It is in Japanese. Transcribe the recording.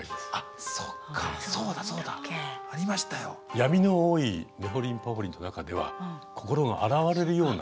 闇の多い「ねほりんぱほりん」の中では心が洗われるような。